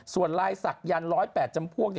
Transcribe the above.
ส่วนรายศักดิ์ยันต์๑๐๘จำพวง